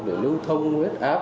để lưu thông huyết áp